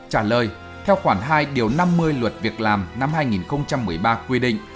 trả lời theo khoản hai điều năm mươi luật việc làm năm hai nghìn một mươi ba quy định